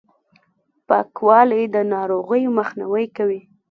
پاکوالي، د ناروغیو مخنیوی کوي.